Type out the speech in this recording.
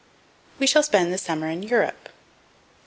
"We shall spend the summer in Europe."